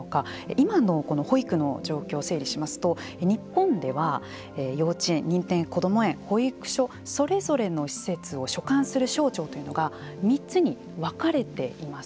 今の保育の状況を整理しますと日本では幼稚園、認定こども園保育所、それぞれの施設を所管する省庁というのが３つに分かれています。